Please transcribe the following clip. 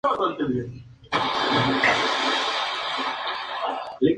Si no puede encontrarse tal "a", entonces "n" es un número compuesto.